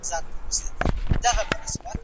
لومړى جز -داسلامي حكومت تعريف: